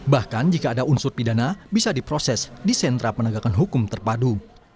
bahkan jika ada unsur pidana bisa diproses di sentra penegakan hukum terpadu